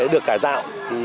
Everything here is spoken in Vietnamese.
được cải tạo